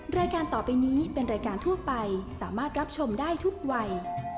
รายการต่อไปนี้เป็นรายการทั่วไปสามารถรับชมได้ทุกวัย